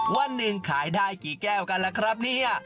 วันหนึ่งขายได้กี่แก้วกันล่ะครับเนี่ย